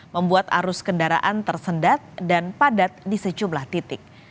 membuat arus kendaraan tersendat dan padat di sejumlah titik